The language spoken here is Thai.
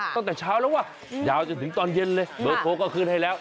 ตั้งแต่เช้าแล้วว่ะยาวจนถึงตอนเย็นเลยเบอร์โทรก็ขึ้นให้แล้ว